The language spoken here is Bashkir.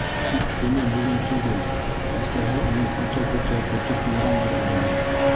Тик көнө бөгөн түгел, әсәһе уны көтә-көтә көтөк булғандыр инде.